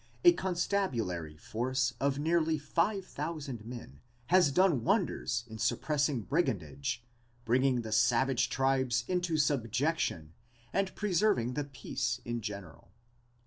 A constabulary force of nearly five thousand men has done wonders in suppressing brigandage, bringing the savage tribes into subjection and preserving the peace in general.